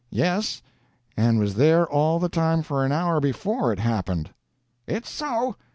"Yes, and was there all the time for an hour before it happened." "It's so.